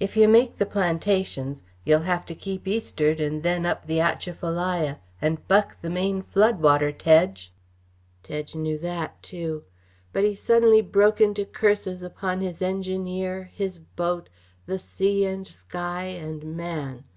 If yeh make the plantations yeh'll have to keep eastard and then up the Atchafalaya and buck the main flood water, Tedge!" Tedge knew that, too. But he suddenly broke into curses upon his engineer, his boat, the sea and sky and man.